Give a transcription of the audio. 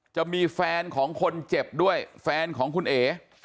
จะมีแฟนของคนเจ็บด้วยแฟนของคุณเอ๋